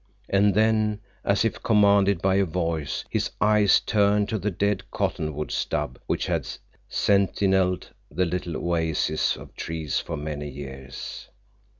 And then as if commanded by a voice, his eyes turned to the dead cottonwood stub which had sentineled the little oasis of trees for many years.